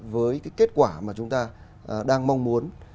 với kết quả mà chúng ta đang mong muốn